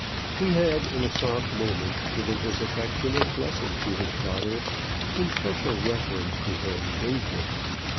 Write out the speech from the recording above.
He had in a soft moment given his affectionate blessing to his daughter in special reference to her engagement.